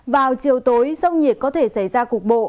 vào chiều tối rông nhiệt có thể xảy ra cục bộ